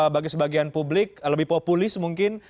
bagi sebagian publik lebih populis mungkin